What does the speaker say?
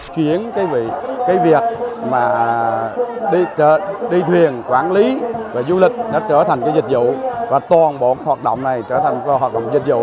chuyển việc đi thuyền quản lý và du lịch trở thành dịch vụ và toàn bộ hoạt động này trở thành hoạt động dịch vụ